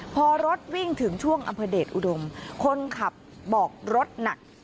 พอรถวิ่งถึงช่วงอำเภอเดชอุดมคนขับบอกรถหนัก